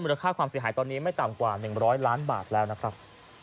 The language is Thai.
ราคาความเสียหายตอนนี้ไม่ต่ำกว่า๑๐๐ล้านบาทแล้วนะครับ